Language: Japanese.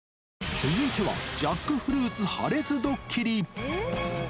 続いてはジャックフルーツ破裂ドッキリ。